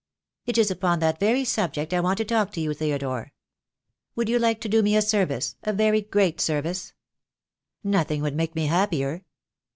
"It is upon that very subject I want to talk to you, Theodore. Would you like to do me a service, a very great service?" "Nothing would make me happier."